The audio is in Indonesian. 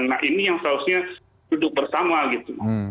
nah ini yang seharusnya duduk bersama gitu